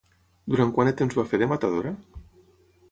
Durant quant de temps va fer de matadora?